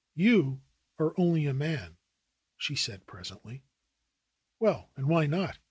"You are only a man," she said presently. "Well and why not